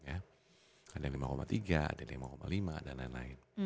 ada yang lima tiga ada yang lima lima dan lain lain